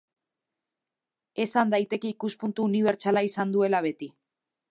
Esan daiteke ikuspuntu unibertsala izan duela beti.